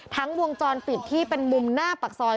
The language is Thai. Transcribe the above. วงจรปิดที่เป็นมุมหน้าปากซอย